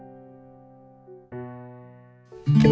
ทำเป็นผู้สาเชื่อมให้น้องรักปั่นจักรยานไปขายตามหมู่บ้านค่ะ